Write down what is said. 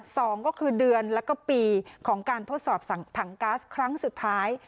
สองก็คือเดือนแล้วก็ปีของการทดสอบถังก๊าซครั้งสุดท้าย